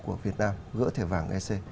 của việt nam gỡ thẻ vàng ec